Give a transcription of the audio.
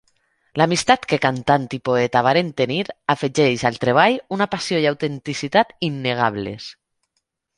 L'amistat que cantant i poeta varen tenir, afegeix al treball una passió i autenticitat innegables.